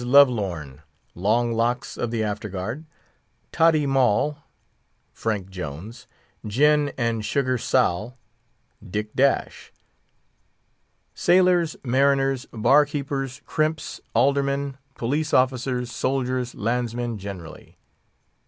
Lovelorn ..... Long locks, of the After Guard. Toddy Moll ...... Frank Jones. Gin and Sugar Sall. ... Dick Dash. Sailors, Mariners, Bar keepers, Crimps, Aldermen, Police officer's, Soldiers, Landsmen generally.